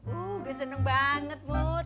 uh gue seneng banget mut